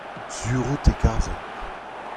sur out e karzent.